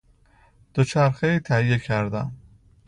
دوچرخهای تهیه کردهام.